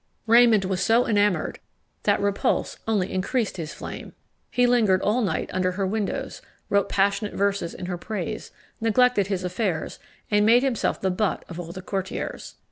Raymond was so enamoured, that repulse only increased his flame; he lingered all night under her windows, wrote passionate verses in her praise, neglected his affairs, and made himself the butt of all the courtiers.